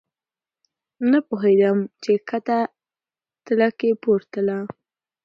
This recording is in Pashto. نه پوهېدم چې کښته تله که پورته.